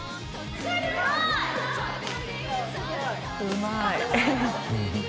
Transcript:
うまい。